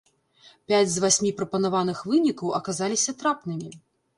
Пяць з васьмі прапанавых вынікаў аказаліся трапнымі!